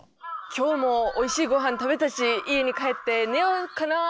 「今日もおいしいごはん食べたし家に帰って寝ようかな」。